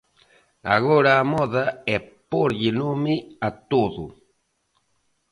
Agora a moda é pórlle nome a todo.